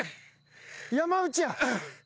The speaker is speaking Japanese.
山内や。